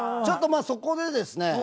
ちょっとまあそこでですね